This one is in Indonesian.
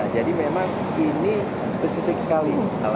jadi memang ini spesifik sekali